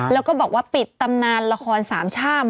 แล้วก็บอกว่าปิดตำนานละครสามช่าม